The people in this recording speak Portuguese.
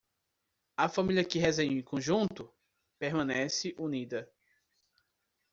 A família que reza em conjunto? permanece unida.